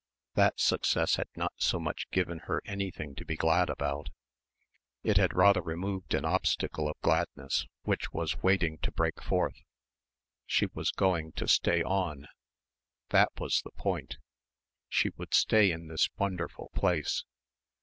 That success had not so much given her anything to be glad about it had rather removed an obstacle of gladness which was waiting to break forth. She was going to stay on. That was the point. She would stay in this wonderful place....